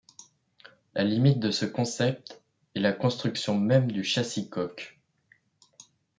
La limite de ce concept est la construction même du châssis-coque.